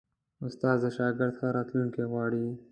استاد د شاګرد ښه راتلونکی غواړي.